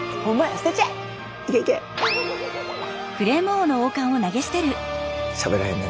捨てちゃえ！